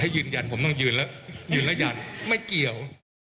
ยืนยันผมต้องยืนแล้วยืนละยันไม่เกี่ยว